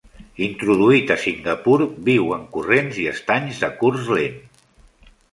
Introduït a Singapur, viu en corrents i estanys de curs lent.